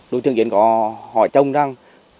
đội trưởng yến có hỏi trông rằng